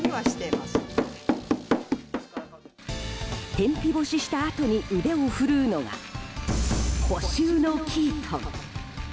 天日干ししたあとに腕を振るうのが補修のキートン。